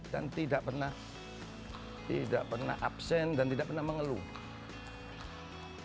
dan tidak pernah absen dan tidak pernah mengeluh